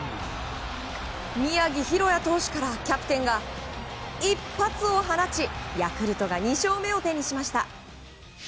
宮城大弥投手からキャプテンが一発を放ちヤクルトが２勝目を手にしました。